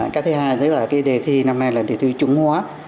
cái thứ hai nữa là cái đề thi năm nay là đề thi trung hóa